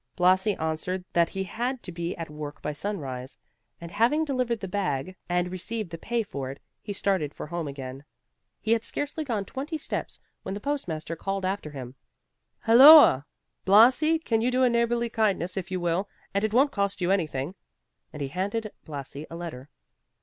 Blasi answered that he had to be at work by sunrise, and having delivered the bag and received the pay for it, he started for home again. He had scarcely gone twenty steps when the post master called after him, "Hulloa! Blasi, you can do a neighborly kindness if you will, and it won't cost you anything;" and he handed Blasi a letter.